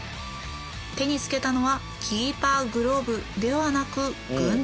手につけたのはキーパーグローブではなく軍手。